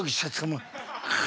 もう。